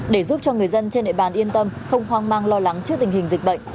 để giúp cho người dân trên địa bàn yên tâm không hoang mang lo lắng trước tình hình dịch bệnh